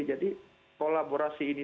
jadi kolaborasi ini